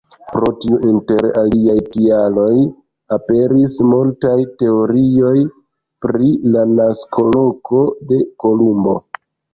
Pro tiu, inter aliaj tialoj, aperis multaj teorioj pri la naskoloko de Kolumbo.